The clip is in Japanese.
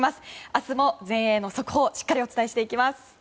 明日も全英の速報をしっかりお伝えしていきます。